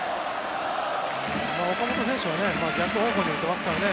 岡本選手は逆方向に打てますからね。